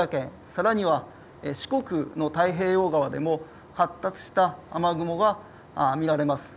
さらには、四国の太平洋側でも発達した雨雲が見られます。